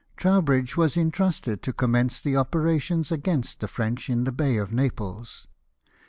Trowbridge Avas entrusted to commence the operations against the French in the Bay of Naples.